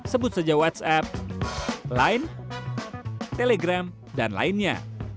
sebut saja whatsapp line telegram dan lainnya